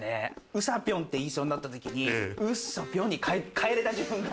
うさぴょんって言いそうになったときに、うっそぴょん！に変えれた自分が。